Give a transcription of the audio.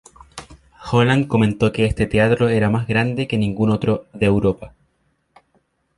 Holland comentó que este teatro era más grande que ningún otro de Europa.